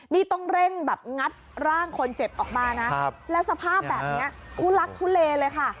นี่ต้องเร่งแบบงัดร่างคนเจ็บออกมานะแล้วสภาพแบบนี้ทุลักทุเลเลยค่ะ